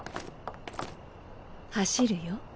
走るよ。